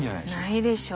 ないでしょう。